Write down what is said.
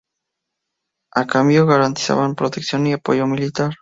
A cambio garantizaban protección y apoyo militar.